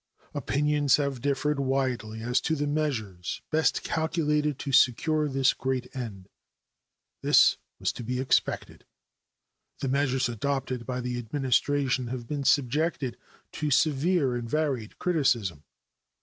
Opinions have differed widely as to the measures best calculated to secure this great end. This was to be expected. The measures adopted by the Administration have been subjected to severe and varied criticism.